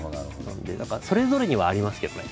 それぞれにはありますけどね